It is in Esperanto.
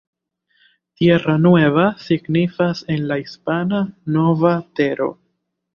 Tierra Nueva signifas en la hispana "Nova Tero".